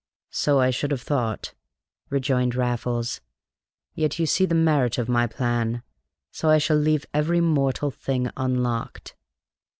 "So I should have thought," rejoined Raffles. "Yet you see the merit of my plan. I shall leave every mortal thing unlocked."